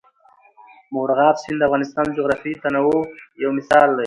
مورغاب سیند د افغانستان د جغرافیوي تنوع یو مثال دی.